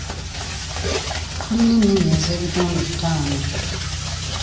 Tulina ennimi ez'ebitundu taana.